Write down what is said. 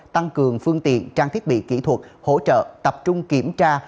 tăng cường phương tiện trang thiết bị kỹ thuật hỗ trợ tập trung kiểm tra